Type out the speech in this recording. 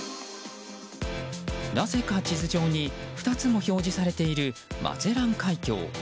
なぜか地図上に２つも表示されているマゼラン海峡。